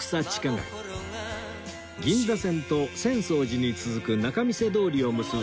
銀座線と浅草寺に続く仲見世通りを結ぶ